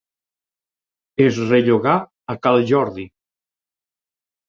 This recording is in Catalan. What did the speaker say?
Es rellogà a cal Jordi.